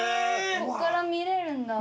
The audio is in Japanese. ここから見れるんだ。